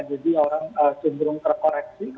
jadi orang cenderung terkoreksi